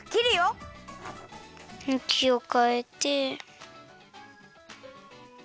むきをかえて。